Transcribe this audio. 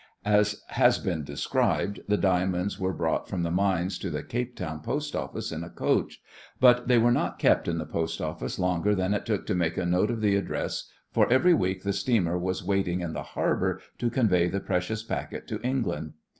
As has been described, the diamonds were brought from the mines to the Cape Town post office in a coach, but they were not kept in the post office longer than it took to make a note of the address, for every week the steamer was waiting in the harbour to convey the precious packet to England.